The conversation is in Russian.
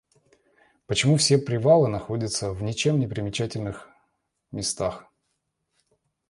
Почему все привалы находятся в ничем непримечательных местах?